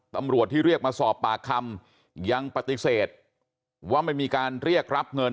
ตำรวจที่เรียกมาสอบปากคำยังปฏิเสธว่าไม่มีการเรียกรับเงิน